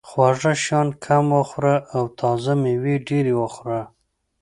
خواږه شیان کم وخوره او تازه مېوې ډېرې وخوره.